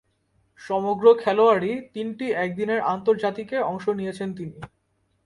সমগ্র খেলোয়াড়ী তিনটি একদিনের আন্তর্জাতিকে অংশ নিয়েছেন তিনি।